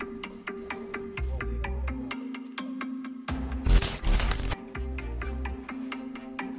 perbuatan pelaku curian yang menangkap pelaku curian